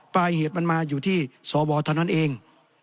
ปลายเหตุมันมาอยู่ที่สวเท่านั้นเอง